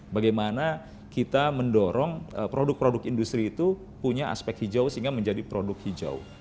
bagaimana kita mendorong produk produk industri itu punya aspek hijau sehingga menjadi produk hijau